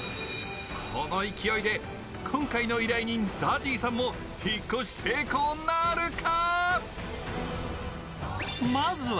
この勢いで今回の依頼人ＺＡＺＹさんも引っ越し成功なるか？